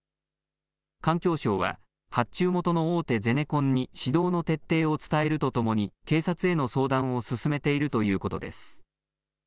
環境省は発注元の大手ゼネコンに指導の徹底を伝えるとともに警察への相談を進めているということです。